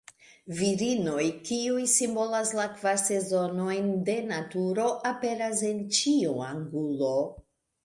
Virinoj kiuj simbolas la kvar sezonojn de naturo aperas en ĉiu angulo.